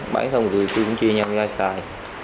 bán xong rồi tụi tôi cũng chia nhau ra xài